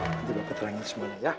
nanti bapak terangkan semuanya ya